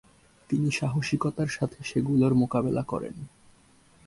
তিনি সাহসিকতার সাথে সেগুলোর মোকাবেলা করেন।